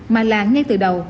mà là ngay từ đầu